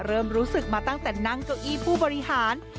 เริ่มรู้สึกมาตั้งแต่นั่งเก้าอี้ผู้บริหาร